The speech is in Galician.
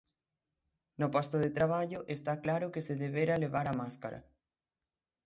No posto de traballo, está claro que se debera levar a máscara.